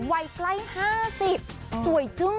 วัยใกล้๕๐สวยจื้อ